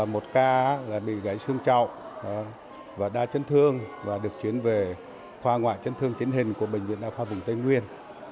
một ca bị gãy xương trọng đã chấn thương và được chuyển về khoa ngoại chấn thương chính hình của bệnh viện ở khoa vùng tây nguyên